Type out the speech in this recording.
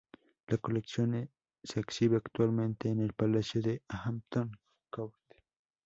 La colección se exhibe actualmente en el Palacio de Hampton Court.